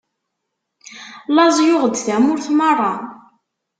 Laẓ yuɣ-d tamurt meṛṛa.